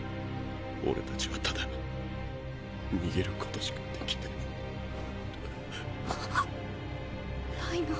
俺たちはただ逃げることしかできない。